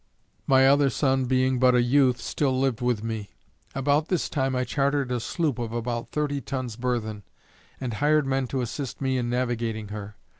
My other son being but a youth, still lived with me. About this time I chartered a sloop of about thirty tons burthen, and hired men to assist me in navigating her.